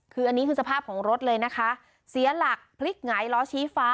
คืออันนี้คือสภาพของรถเลยนะคะเสียหลักพลิกหงายล้อชี้ฟ้า